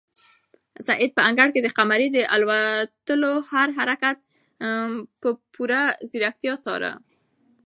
سعید په انګړ کې د قمرۍ د الوتلو هر حرکت په پوره ځیرکتیا څاره.